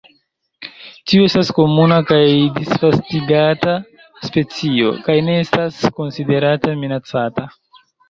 Tiu estas komuna kaj disvastigata specio, kaj ne estas konsiderata minacata.